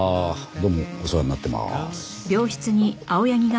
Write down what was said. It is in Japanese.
どうもお世話になってます。